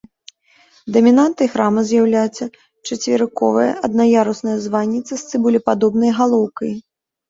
Дамінантай храма з'яўляецца чацверыковая аднаярусная званіца з цыбулепадобнай галоўкай.